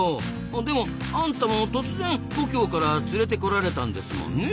でもあんたも突然故郷から連れてこられたんですもんねえ。